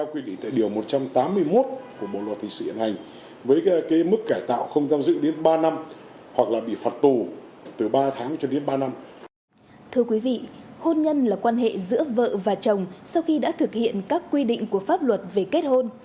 thưa quý vị hôn nhân là quan hệ giữa vợ và chồng sau khi đã thực hiện các quy định của pháp luật về kết hôn